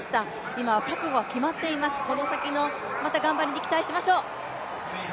今は覚悟は決まっています、この先の頑張りにまた期待しましょう。